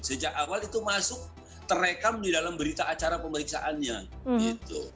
sejak awal itu masuk terekam di dalam berita acara pemeriksaannya gitu